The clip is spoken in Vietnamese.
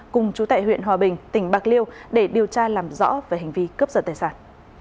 cùng chú tại huyện hòa bình tỉnh bạc liêu để điều tra làm rõ về hành vi cướp giật tài sản